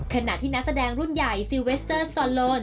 ขณะที่นักแสดงรุ่นใหญ่ซิลเวสเตอร์สตอโลน